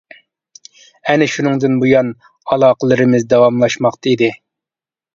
ئەنە شۇنىڭدىن بۇيان ئالاقىلىرىمىز داۋاملاشماقتا ئىدى.